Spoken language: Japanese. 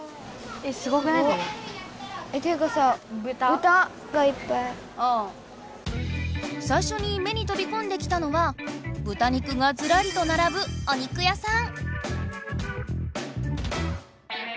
ていうかささいしょに目にとびこんできたのはぶた肉がずらりとならぶお肉屋さん。